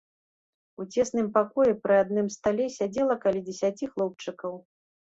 У цесным пакоі пры адным стале сядзела каля дзесяці хлопчыкаў.